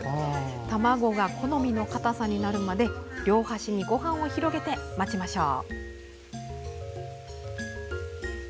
卵が好みの固さになるまで両端に、ごはんを広げて待ちましょう。